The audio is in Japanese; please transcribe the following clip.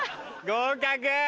合格！